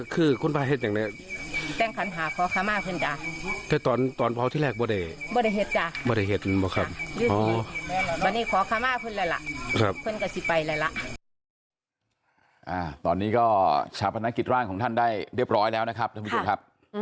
คุณผู้ชมได้ละเพิ่มกระสิบไปเลยละ